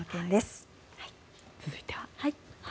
続いては。